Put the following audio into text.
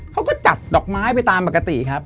เขาก็จัดดอกไม้ไปตามปกติครับ